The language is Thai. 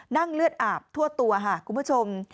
นั่งเลือดอาบทั่วตัวคุณผู้ชม